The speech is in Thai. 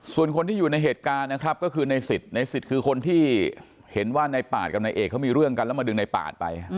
ส่วนคนที่อยู่ในเหตุการณ์นะครับก็คือในสิทธิ์ในสิทธิ์คือคนที่เห็นว่าในปาดกับนายเอกเขามีเรื่องกันแล้วมาดึงในปาดไป